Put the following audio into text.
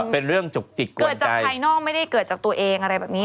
เป็นเรื่องจุกจิกก่อนเกิดจากภายนอกไม่ได้เกิดจากตัวเองอะไรแบบนี้